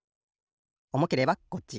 おもければこっち。